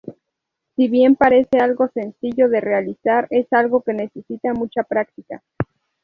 Si bien parece algo sencillo de realizar es algo que necesita mucha práctica.